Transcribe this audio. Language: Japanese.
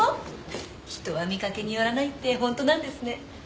人は見かけによらないって本当なんですね。